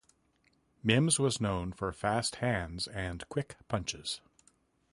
Mims was known for fast hands and quick punches.